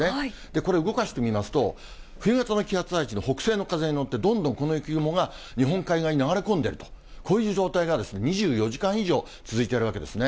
これ、動かしてみますと、冬型の気圧配置の北西の風に乗って、どんどんこの雪雲が日本海側に流れ込んでいると、こういう状態が２４時間以上続いているわけですね。